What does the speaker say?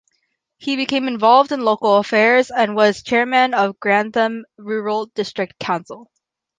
He became involved in local affairs and was Chairman of Grantham Rural District Council.